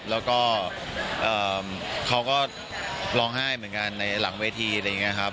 แล้วก็เขาก็ร้องไห้เหมือนกันในหลังเวทีอะไรอย่างนี้ครับ